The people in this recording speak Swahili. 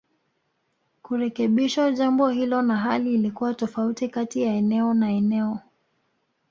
Kurekebisho jambo hilo na hali ilikuwa tofauti kati ya eneo na eneo